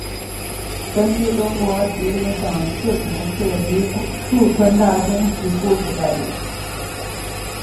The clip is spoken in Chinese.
根据中国吉林省四平市梨树县的真实故事改编。